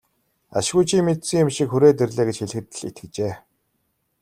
Ашгүй чи мэдсэн юм шиг хүрээд ирлээ гэж хэлэхэд л итгэжээ.